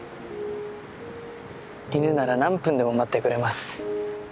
犬なら何分でも待ってくれます。